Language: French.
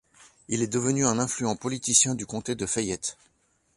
Il est devenu un influent politicien du comté de Fayette.